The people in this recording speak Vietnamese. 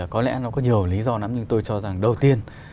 có lẽ nó có nhiều lý do lắm nhưng tôi cho rằng đầu tiên